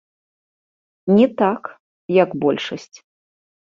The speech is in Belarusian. Не так, як большасць.